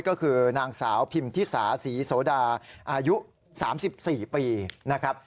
ก็คือนางสาวพิมพิสาศรีโสดาอายุ๓๔ปีนะครับ